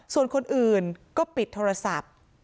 ส่วนคนอื่นก็ปิดโทรศัพท์